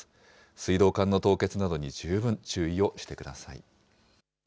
水道管の凍結などに十分注意をしてください。